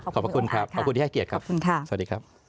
ขอบคุณครับขอบคุณที่ให้เกียรติครับสวัสดีครับ